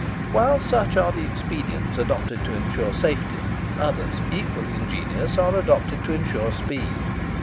While such are the expedients adopted to ensure safety, others equally ingenious are adopted to ensure speed.